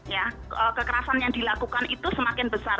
ya kekerasan yang dilakukan itu semakin besar